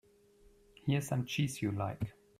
Here's some cheese you like.